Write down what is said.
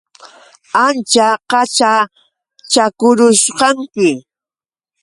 Ancha qaćhachakurusqanki.